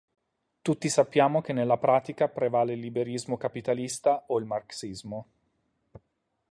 Tutti sappiamo che nella pratica prevale il liberismo capitalista o il marxismo.